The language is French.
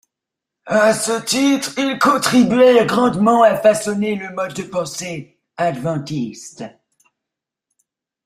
À ce titre, ils contribuèrent grandement à façonner le mode de pensée adventiste.